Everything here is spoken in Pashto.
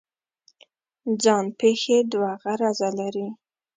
ځان پېښې دوه غرضه لري.